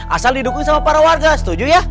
asal didukung sama para warga setuju ya